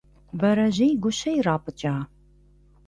Бэрэжьей гущэ ирапӀыкӀа?